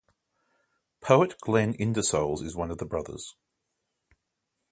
Poet Glenn Ingersoll is one of his brothers.